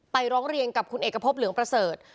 ร้องเรียนกับคุณเอกพบเหลืองประเสริฐ